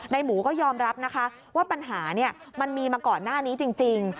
หมูก็ยอมรับนะคะว่าปัญหามันมีมาก่อนหน้านี้จริง